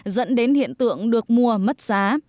dẫn đến hiện tượng được mua mất giá